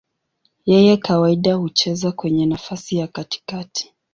Yeye kawaida hucheza kwenye nafasi ya katikati.